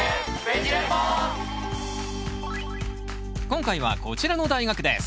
今回はこちらの大学です